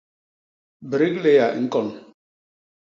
Brikléya a ñkon.